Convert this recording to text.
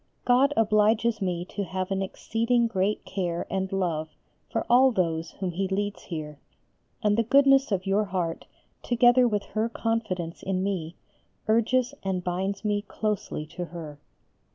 God obliges me to have an exceeding great care and love for all those whom He leads here and the goodness of your heart, together with her confidence in me, urges and binds me closely to her.